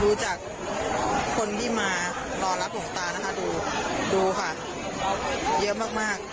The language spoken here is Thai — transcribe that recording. ดูจากคนที่มารอรับหลวงตานะคะดูค่ะเยอะมากมาก